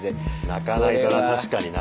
泣かないとな確かにな。